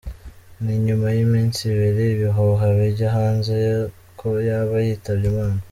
Ni nyuma y’iminsi ibiri ibihuha bijya hanze ko yaba yitabye Imana,.